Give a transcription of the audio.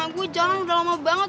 gue jalan udah lama banget